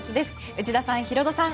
内田さん、ヒロドさん